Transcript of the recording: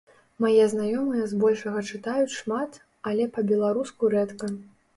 Мае знаёмыя збольшага чытаюць шмат, але па-беларуску рэдка.